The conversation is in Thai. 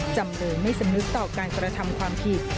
จำเลยไม่สำนึกต่อการกระทำความผิด